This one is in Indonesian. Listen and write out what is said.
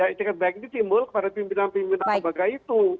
etikat baik itu simbol kepada pimpinan pimpinan yang berbagai itu